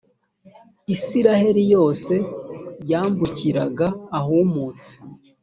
israheli yose yambukiraga ahumutse.